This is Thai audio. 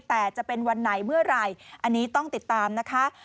แต่จะเป็นวันไหนเมื่อไหร่อันนี้ต้องติดตามนะคะ